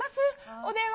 お電話